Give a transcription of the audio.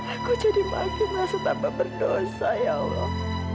aku jadi makin merasa tambah berdosa ya allah